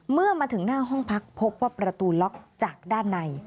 เมื่อมาถึงหน้าห้องพักพบว่าประตูล็อกจากด้านใน